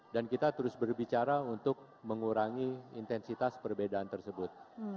dan kita terus berbicara untuk mengurangi intensitas perbedaan tersebut